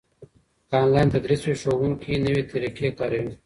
که انلاین تدریس وي، ښوونکي نوي طریقې کاروي.